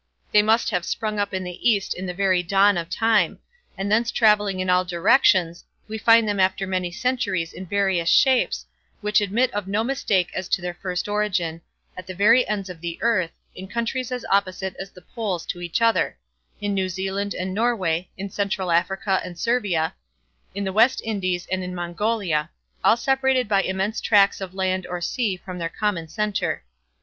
They must have sprung up in the East in the very dawn of time; and thence travelling in all directions, we find them after many centuries in various shapes, which admit of no mistake as to their first origin, at the very ends of the earth, in countries as opposite as the Poles to each other; in New Zealand and Norway, in Central Africa and Servia, in the West Indies and in Mongolia; all separated by immense tracts of land or sea from their common centre.